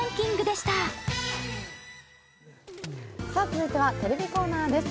続いてはテレビコーナーです。